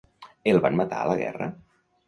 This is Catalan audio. El van matar a la guerra?